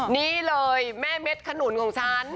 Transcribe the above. นี่เลยแม่เม็ดขนุนของฉัน